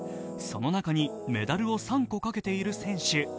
その中にメダルを３個かけている選手